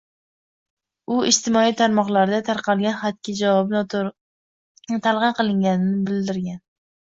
U ijtimoiy tarmoqlarda tarqalgan xatga javobi noto‘g‘ri talqin qilinganini bildirgan